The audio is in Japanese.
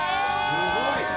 すごい。